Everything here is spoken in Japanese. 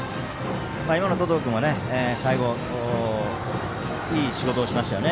今の登藤君は最後、いい仕事をしましたね。